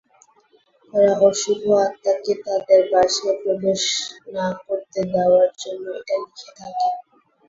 তারা অশুভ আত্মাকে তাদের বাসায় প্রবেশ না করতে দেওয়ার জন্য এটা লিখে থাকে।